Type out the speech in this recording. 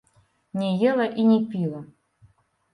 Не ела і не піла.